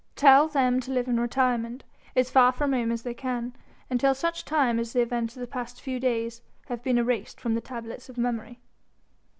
Tell them to live in retirement as far from Rome as they can until such time as the events of the past few days have been erased from the tablets of memory.